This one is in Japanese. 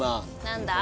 何だ？